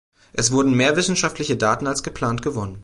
Es wurden mehr wissenschaftliche Daten als geplant gewonnen.